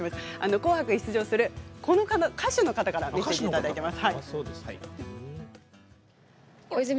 「紅白」出場するこの歌手の方からいただいています。